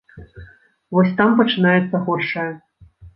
Вось там пачынаецца горшае.